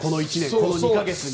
この２か月に。